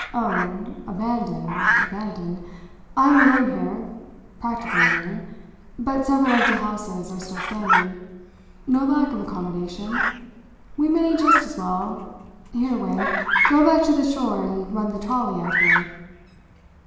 "Oh, abandoned, abandoned. I am alone here practically alone; but several empty houses are still standing. No lack of accommodation. We may just as well here, Wang, go back to the shore and run the trolley out here."